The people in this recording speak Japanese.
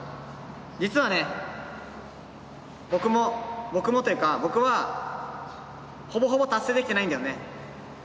実はね僕もというか僕はほぼほぼ達成できてないんだよね。